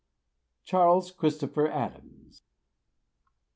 Charles Christopher Adams.